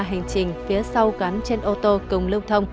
hành trình phía sau gắn trên ô tô cùng lưu thông